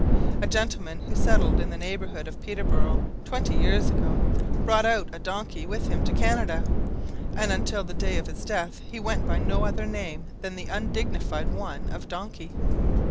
A gentleman, who settled in the neighbourhood of Peterboro twenty years ago, brought out a donkey with him to Canada, and until the day of his death he went by no other name than the undignified one of Donkey.